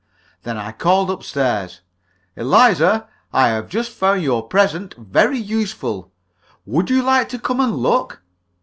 Then I called up stairs: "Eliza, I have just found your present very useful. Would you like to come and look?"